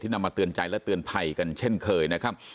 นำมาเตือนใจและเตือนภัยกันเช่นเคยนะครับ